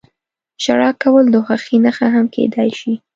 • ژړا کول د خوښۍ نښه هم کېدای شي.